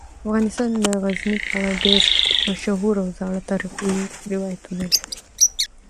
افغانستان د غزني په اړه ډیر مشهور او زاړه تاریخی روایتونه لري.